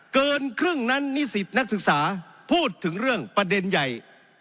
เกินครึ่งนั้นนิสิตนักศึกษาพูดถึงเรื่องประเด็นใหญ่